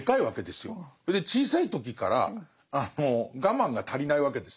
それで小さい時から我慢が足りないわけですよ。